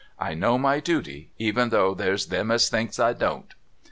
I know my duty even though there's them as thinks I don't."